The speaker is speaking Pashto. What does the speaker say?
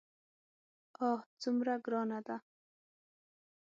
آه څومره ګرانه ده.